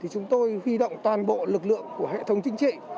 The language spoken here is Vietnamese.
chúng tôi huy động toàn bộ lực lượng của hệ thống chính trị